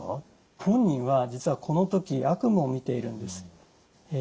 本人は実はこの時悪夢をみているんです。